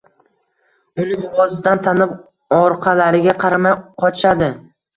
Uni ovozidan tanib orqalariga qaramay qochishadi.